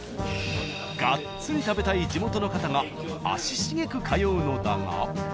がっつり食べたい地元の方が足しげく通うのだが。